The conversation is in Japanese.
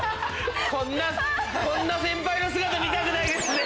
こんな先輩の姿見たくないですね。